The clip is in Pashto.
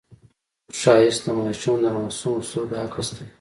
ښایست د ماشوم د معصومو سترګو عکس دی